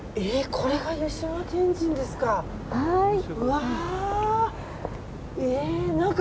これが湯島天神ですか。